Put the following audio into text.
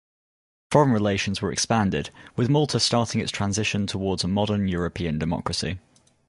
Foreign relations were expanded, with Malta starting its transition towards a modern European democracy.